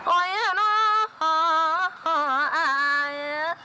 โอ๊ยน้อย